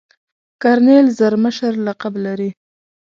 کرنیل زر مشر لقب لري.